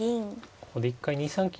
ここで一回２三金かな。